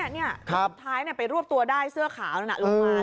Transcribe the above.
สุดท้ายไปรวบตัวได้เสื้อขาวนั้นลงมา